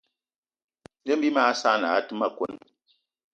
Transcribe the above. Ne bí mag saanì aa té ma kone.